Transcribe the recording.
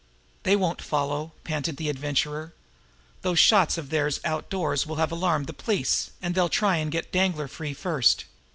"They won't follow!" panted the Adventurer. "Those shots of theirs outdoors will have alarmed the police, and they'll try and get Danglar free first.